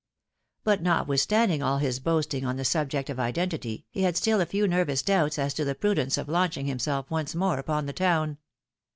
But, notwith standing all his boasting on the subject of identity, he had still a few nervous doubts as to the prudence of launching himself once more upon the town.